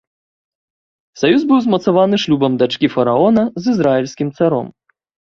Саюз быў змацаваны шлюбам дачкі фараона з ізраільскім царом.